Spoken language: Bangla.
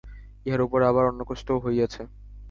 ইহার উপরে আবার অন্নকষ্টও হইয়াছে।